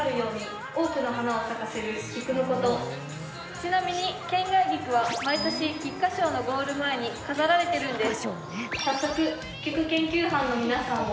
ちなみに懸崖菊は毎年菊花賞のゴール前に飾られているんです。